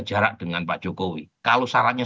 jarak dengan pak jokowi kalau syaratnya